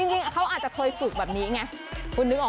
จริงเขาอาจจะเคยฝึกแบบนี้ไงคุณนึกออก